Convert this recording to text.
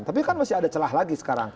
tapi kan masih ada celah lagi sekarang